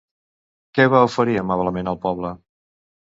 Què va oferir amablement al poble?